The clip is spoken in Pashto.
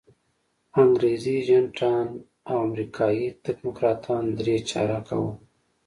انګریزي ایجنټان او امریکایي تکنوکراتان درې چارکه وو.